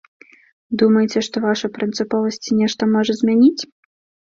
Думаеце, што ваша прынцыповасць нешта можа змяніць?